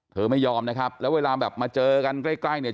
เธอไม่ยอมนะครับแล้วเวลาแบบมาเจอกันใกล้ใกล้เนี่ย